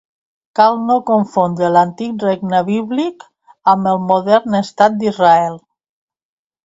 Cal no confondre l'antic regne bíblic amb el modern Estat d'Israel.